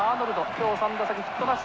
今日３打席ヒットなし。